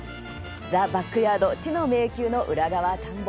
「ザ・バックヤード知の迷宮の裏側探訪」